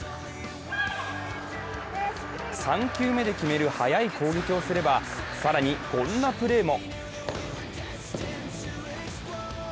３球目で決める速い攻撃をすれば更に、こんなプレーも。